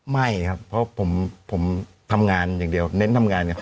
ไม่ครับเพราะผมทำงานอย่างเดียวเน้นทำงานไง